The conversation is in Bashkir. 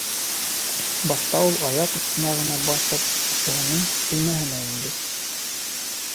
Башта ул аяҡ осона ғына баҫып әсәһенең бүлмәһенә инде.